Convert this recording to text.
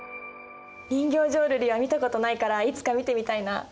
人形浄瑠璃は見たことないからいつか見てみたいな。